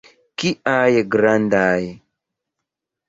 Kiaj grandaj!